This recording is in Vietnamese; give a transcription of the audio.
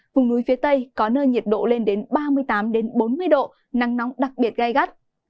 vùng núi phía tây có nơi nhiệt độ lên đến ba mươi tám bốn mươi độ nắng nóng đặc biệt gai gắt